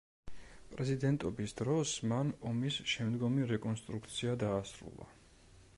პრეზიდენტობის დროს მან ომის შემდგომი რეკონსტრუქცია დაასრულა.